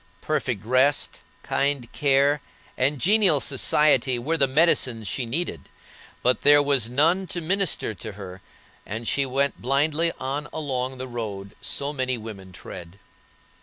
Perfect rest, kind care, and genial society were the medicines she needed, but there was no one to minister to her, and she went blindly on along the road so many women tread.